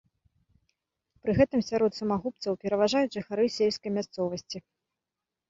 Пры гэтым сярод самагубцаў пераважаюць жыхары сельскай мясцовасці.